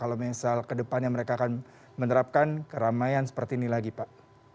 apa misalnya soal ke depan yang mereka akan menerapkan keramaian seperti ini lagi pak